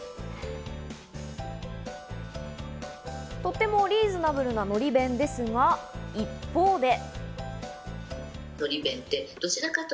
とてもリーズナブルなのり弁ですが、一方で。